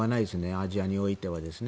アジアにおいてはですね。